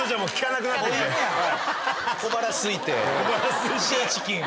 小腹すいてシーチキン。